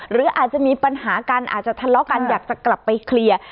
หรืออาจจะมีปัญหากันอาจจะทะเลาะกันอยากจะกลับไปเคลียร์